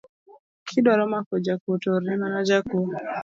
Kidwaro mako jakuo to orne mana jakuo